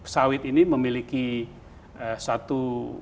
sawit ini memiliki satu